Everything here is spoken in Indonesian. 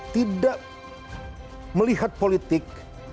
tidak melihat politik